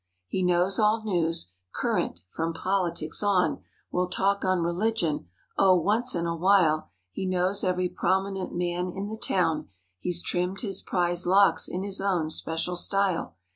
He knows all news, current—from politics on. Will talk on religion, O, once in a while; He knows every prominent man in the town— He's trimmed his prized locks in his own special style.